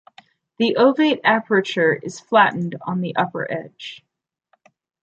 The ovate aperture is flattened on the upper edge.